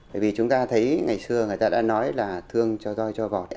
bởi vì chúng ta thấy ngày xưa người ta đã nói là thương cho roi cho vọt